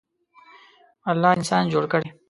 الله انسان جوړ کړی.